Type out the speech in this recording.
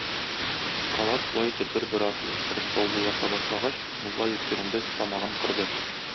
Алар шулай итеп бер-бер артлы торып саубуллаша башлагач, мулла йөткеренде, тамагын кырды.